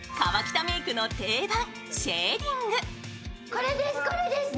これです、これですね。